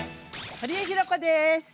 堀江ひろ子です。